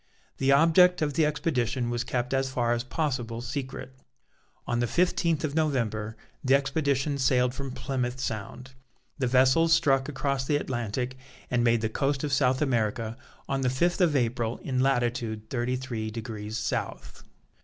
The object of the expedition was kept as far as possible secret. On the fifteenth of November the expedition sailed from Plymouth Sound. The vessels struck across the Atlantic and made the coast of South America on the fifth of April in latitude thirty three degrees South.